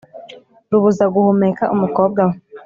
Rubuzaguhumeka umukobwa we